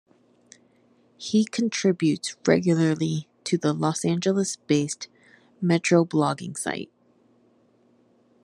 He contributes regularly to the Los Angeles-based Metroblogging site.